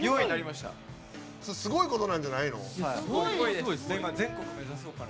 すごいことなんじゃないの？